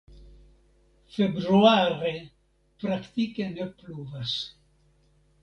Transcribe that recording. Februare praktike ne pluvas.